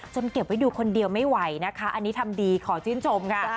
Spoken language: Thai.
เก็บไว้ดูคนเดียวไม่ไหวนะคะอันนี้ทำดีขอชื่นชมค่ะ